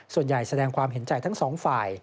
ส่วนใหญ่แสดงความเห็นใจทั้ง๒ฝ่าย